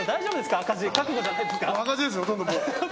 赤字ですよ。